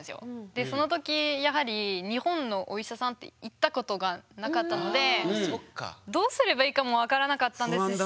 でその時やはり日本のお医者さんって行ったことがなかったのでどうすればいいかも分からなかったんですし。